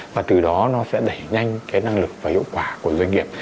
và từ đó nó sẽ đẩy nhanh năng lượng